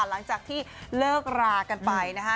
หลังจากที่เลิกรากันไปนะคะ